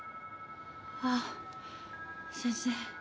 ああ先生。